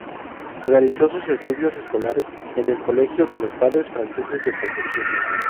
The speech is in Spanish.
Realizó sus estudios escolares en el Colegio de los Padres Franceses de Concepción.